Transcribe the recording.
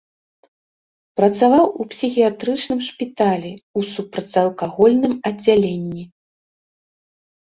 Працаваў у псіхіятрычным шпіталі ў супрацьалкагольным аддзяленні.